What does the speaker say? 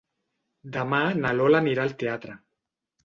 Demà na Lola anirà al teatre.